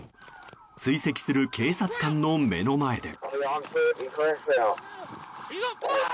追跡する警察官の目の前で。